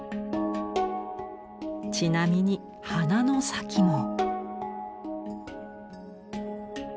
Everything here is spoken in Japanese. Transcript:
ちなみに鼻の先も。